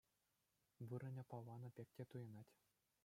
Вырӑнӗ палланӑ пек те туйӑнать.